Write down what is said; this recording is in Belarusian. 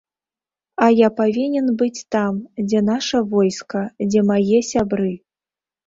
А я павінен быць там, дзе наша войска, дзе мае сябры.